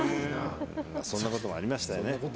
そんなこともありましたね。